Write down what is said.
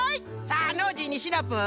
さあノージーにシナプー。